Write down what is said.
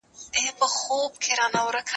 تا چي ول دا پيسې به لږ وي